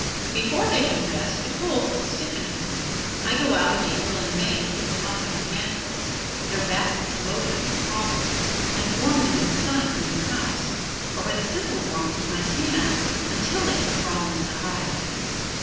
Before they can rest the cold has stiffened them. I go out in April and May and pick them up by the handfuls, their baskets loaded with pollen, and warm them in the sun or in the house, or by the simple warmth of my hand, until they can crawl into the hive.